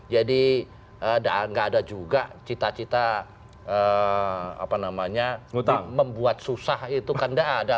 jadi nggak ada juga cita cita membuat susah itu kan nggak ada